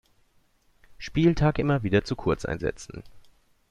Spieltag immer wieder zu Kurzeinsätzen.